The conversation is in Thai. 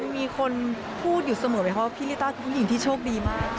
มีคนพูดอยู่เสมอไหมคะว่าพี่ลิต้าคือผู้หญิงที่โชคดีมาก